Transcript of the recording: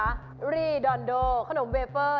อรี่ดอนโดขนมเบเฟอร์